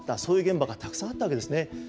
そういう現場がたくさんあったわけですね。